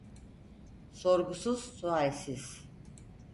Sorgusuz sualsiz.